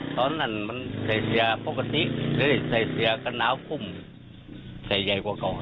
ตอนนั้นมันใส่เสียปกติใช้เสียกระน้ำคุมใส่ใหญ่กว่าก่อน